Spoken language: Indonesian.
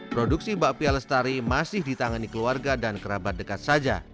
produksi bakpia lestari masih ditangani keluarga dan kerabat dekat saja